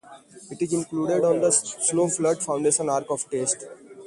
It is included on the Slow Food Foundation Ark of Taste.